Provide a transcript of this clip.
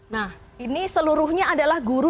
nah ini seluruhnya adalah guru